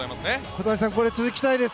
小谷さん続きたいです。